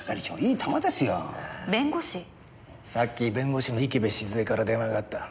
さっき弁護士の池辺静江から電話があった。